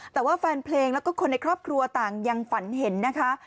แต่ว่าแฟนเพลงแล้วก็คนในครอบครัวต่างยังฝันเห็นนะคะ